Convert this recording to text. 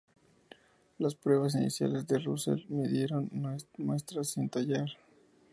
Las pruebas iniciales de Russell midieron muestras sin tallar.